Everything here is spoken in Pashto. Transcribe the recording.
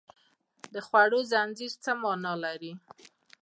د خوړو زنځیر څه مانا لري